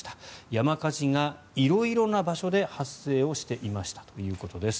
山火事が色々な場所で発生をしていましたということです。